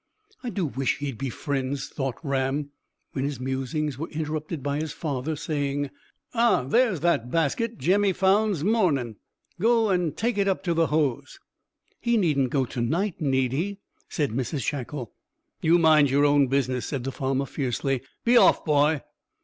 "I do wish he'd be friends," thought Ram, when his musings were interrupted by his father saying, "Ah, there's that basket Jemmy found's mornin'. Go and take it up to the Hoze." "He needn't go to night, need he?" said Mrs Shackle. "You mind your own business," said the farmer fiercely. "Be off, boy."